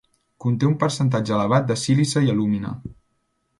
Conté un percentatge elevat de sílice i alúmina.